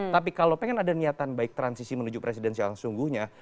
tapi kalau pengen ada niatan baik transisi menuju presidensial yang sesungguhnya